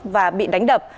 và bị đánh đập